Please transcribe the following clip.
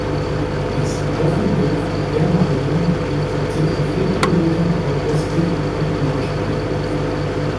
Das Haufendorf Bermaringen liegt circa vier Kilometer nordwestlich von Blaustein.